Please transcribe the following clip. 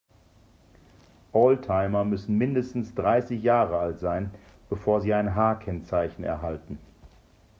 Oldtimer müssen mindestens dreißig Jahre alt sein, bevor sie ein H-Kennzeichen erhalten.